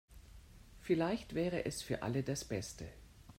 Vielleicht wäre es für alle das Beste.